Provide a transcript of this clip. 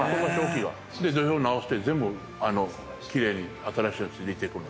で土俵を直して全部奇麗に新しいやつ入れていくの。